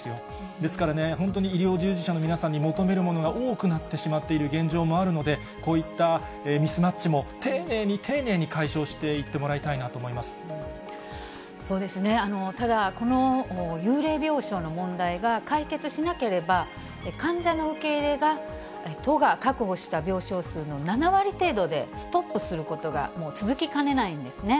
ですからね、本当に医療従事者の皆さんに求めるものが多くなってしまっている現状もあるので、こういったミスマッチも丁寧に丁寧に解消していってもらいたいなそうですね、ただこの幽霊病床の問題が解決しなければ、患者の受け入れが、都が確保した病床数の７割程度でストップすることが続きかねないんですね。